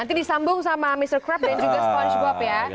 nanti disambung sama mr krab dan juga spongebob ya